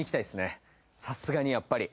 さすがにやっぱり。